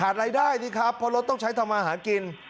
รายได้นี่ครับเพราะรถต้องใช้ทำมาหากิน